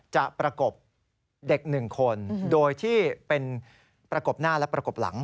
ประกบเด็ก๑คนโดยที่เป็นประกบหน้าและประกบหลัง